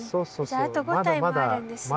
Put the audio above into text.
あと５体もあるんですね。